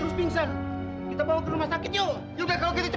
aku ingin panggil pertanyaanmu empat cassie